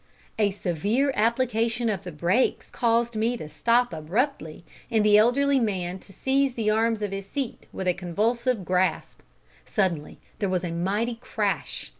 A severe application of the brakes caused me to stop abruptly, and the elderly man to seize the arms of his seat with a convulsive grasp. Suddenly there was a mighty crash.